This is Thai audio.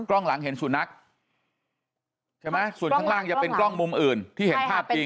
กล้องหลังเห็นสุนัขใช่ไหมส่วนข้างล่างจะเป็นกล้องมุมอื่นที่เห็นภาพจริง